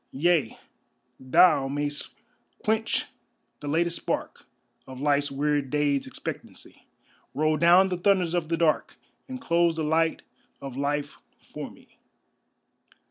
Yea, thou mayst quench the latest spark Of life's weird day's expectancy, Roll down the thunders of the dark And close the light of life for me.